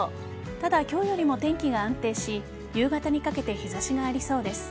ただ、今日よりも天気が安定し夕方にかけて日差しがありそうです。